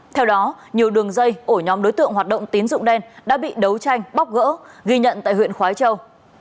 theo đó nhiều đường dây ổ nhóm đối tượng hoạt động tín dụng đen đã bị đấu tranh bóc gỡ ghi nhận tại huyện khói châu